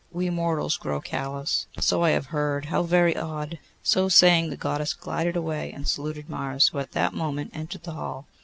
We mortals grow callous.' 'So I have heard. How very odd!' So saying, the Goddess glided away and saluted Mars, who at that moment entered the hall.